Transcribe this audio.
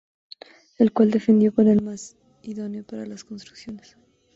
El cual defendió como el más idóneo para las construcciones.